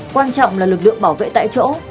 quan trọng là lực lượng bảo vệ tại chỗ